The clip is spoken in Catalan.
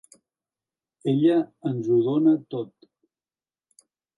Ella ens ho dóna tot.